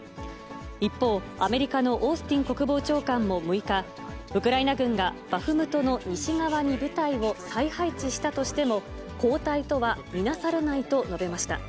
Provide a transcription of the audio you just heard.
一方、アメリカのオースティン国防長官も６日、ウクライナ軍がバフムトの西側に部隊を再配置したとしても後退とは見なされないと述べました。